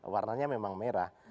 warnanya memang merah